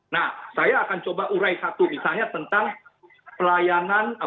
nah saya akan coba urai satu misalnya tentang pelayanan